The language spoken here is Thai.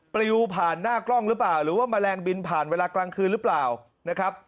ปลิวผ่านหน้ากล้องหรือเปล่าหรือว่าแมลงบินผ่านเวลากลางคืนหรือเปล่านะครับ